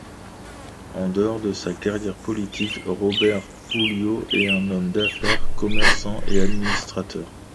En dehors de sa carrière politique, Robert Pouliot est homme d’affaires, commerçant et administrateur.